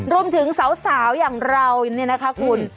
รวมถึงสาวอย่างเราเนี่ยนะคะคุณ